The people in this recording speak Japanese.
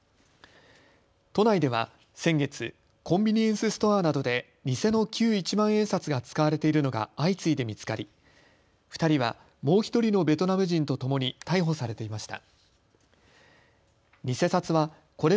都内では先月、コンビニエンスストアなどで偽の旧一万円札が使われているのが相次いで見つかり、２人は、もう１人のベトナム人とともに逮捕されていました。